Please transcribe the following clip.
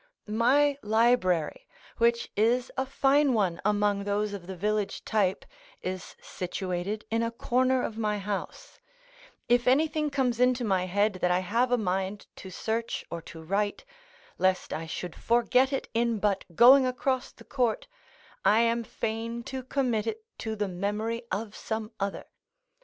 My library, which is a fine one among those of the village type, is situated in a corner of my house; if anything comes into my head that I have a mind to search or to write, lest I should forget it in but going across the court, I am fain to commit it to the memory of some other.